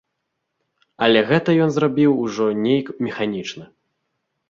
Але гэта ён зрабіў ужо нейк механічна.